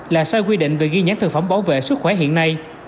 là sai quy định về ghi nhãn thực phẩm bảo vệ sức khỏe hiện nay